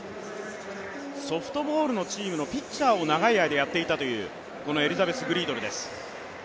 ソフトボールのチームのピッチャーを長い間やっていたグリードルです。